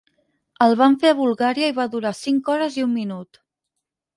El van fer a Bulgària i va durar cinc hores i un minut.